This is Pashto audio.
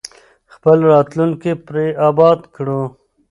خپل راتلونکی پرې اباد کړو.